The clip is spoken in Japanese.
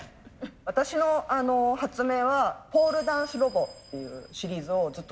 私の発明はポールダンスロボというシリーズをずっと作ってて。